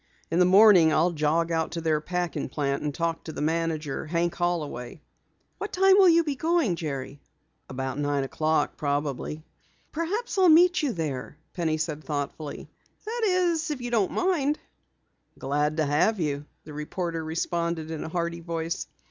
In the morning I'll jog out to their packing plant and talk to the manager, Hank Holloway." "What time will you be going, Jerry?" "About nine o'clock probably." "Perhaps I'll meet you there," Penny said thoughtfully. "That is, if you don't mind." "Glad to have you," the reporter responded in a hearty voice.